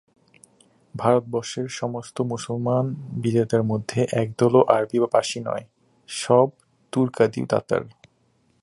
ভারতবর্ষের সমস্ত মুসলমান বিজেতার মধ্যে একদলও আরবী বা পার্শী নয়, সব তুর্কাদি তাতার।